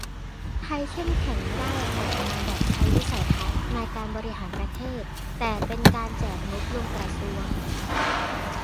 ไทยเข้มแข็งไม่ได้ออกมาแบบใช้วิสัยทัศน์ในการบริหารประเทศ แต่เป็นการแจกงบลงกระทรวง